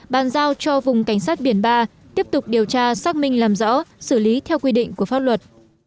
bàn giao cho vùng cảnh sát biển ba tiếp tục điều tra xác minh làm rõ xử lý theo quy định của pháp luật